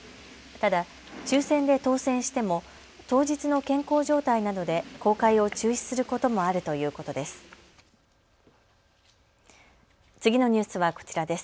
ただ、抽せんで当せんしても当日の健康状態などで公開を中止することもあるということです。